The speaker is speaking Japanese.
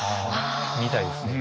見たいですね。